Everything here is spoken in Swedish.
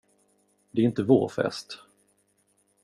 Det är inte vår fest.